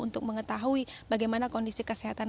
untuk mengetahui bagaimana kondisi kesehatan